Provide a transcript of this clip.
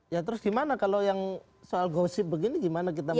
ya terus gimana kalau yang soal gosip begini gimana kita melihat